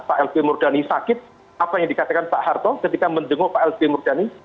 pak l g murdani sakit apa yang dikatakan pak harto ketika mendengar pak l g murdani